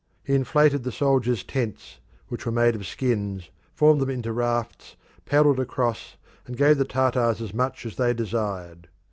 He inflated the soldiers' tents, which were made of skins, formed them into rafts, paddled across and gave the Tartars as much as they desired.